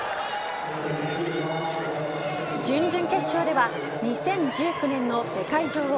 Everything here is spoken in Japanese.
準々決勝では２０１９年の世界女王